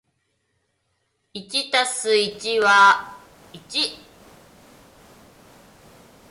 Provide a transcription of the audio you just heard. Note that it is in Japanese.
一足す一は一ー